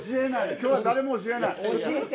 今日は誰も教えない。